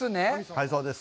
はい、そうです。